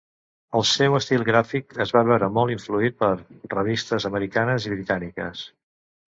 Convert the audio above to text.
El seu estil gràfic es va veure molt influït per revistes americanes i britàniques.